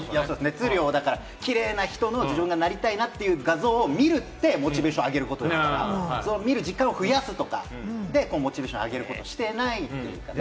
キレイな人の、自分がなりたいなという、画像を見るってモチベーションを上げること、見る時間を増やすとか、モチベーションを上げるということしてないという。